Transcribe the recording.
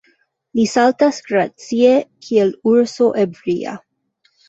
Li saltas gracie, kiel urso ebria.